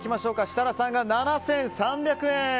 設楽さんが７３００円。